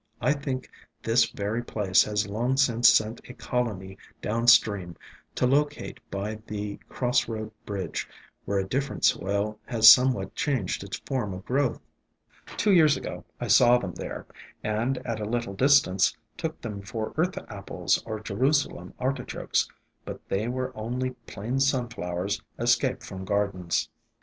I think this very place has long since sent a colony down stream to locate by the cross road bridge, where a different soil has somewhat changed its form of growth. Two years ago I saw them there, and, at a little distance, took them for Earth Apples or Jerusalem Artichokes, but they were only plain Sunflowers escaped from gardens.